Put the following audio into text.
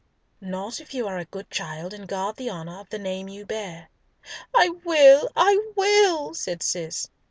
"Not if you are a good child, and guard the honour of the name you bear." "I will, I will!" said Cis.